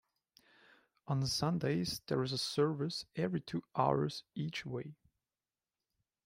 On Sundays there is a service every two hours each way.